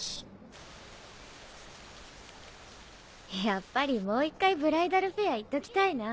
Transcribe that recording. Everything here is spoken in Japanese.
やっぱりもう１回ブライダルフェア行っときたいな。